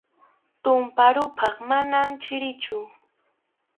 Tumpa ruphaq mana chirichu.